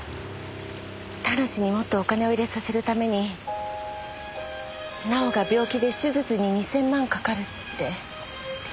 田無にもっとお金を入れさせるために奈緒が病気で手術に２０００万かかるって。